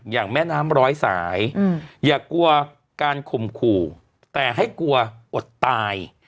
แม่น้ำร้อยสายอย่ากลัวการข่มขู่แต่ให้กลัวอดตาย